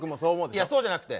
いやそうじゃなくて。